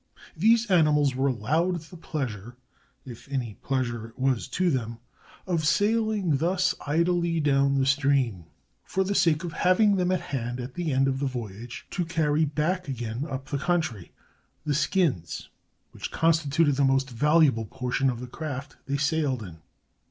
These animals were allowed the pleasure, if any pleas ure it was to them, of sailing thus idly down the stream, for the sake of having them at hand at the end of the voyage, to carry back again, up the country, the skins, which constituted the most valuable portion of the craft they sailed in.